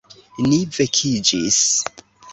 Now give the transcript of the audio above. Ni vekiĝis.